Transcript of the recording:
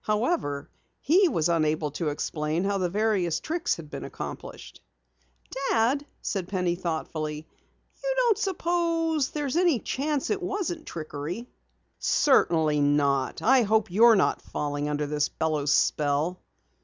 However, he was unable to explain how the various tricks had been accomplished. "Dad," Penny said thoughtfully, "you don't suppose there's any chance it wasn't trickery?" "Certainly not! I hope you're not falling under this fellow's spell?"